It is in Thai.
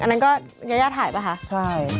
อันนั้นก็ยายาถ่ายป่ะคะใช่